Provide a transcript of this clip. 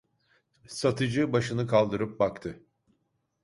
Satıcı başını kaldırıp baktı.